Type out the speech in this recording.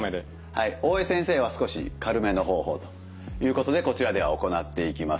大江先生は少し軽めの方法ということでこちらでは行っていきます。